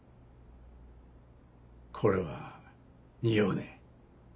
これはにおうね。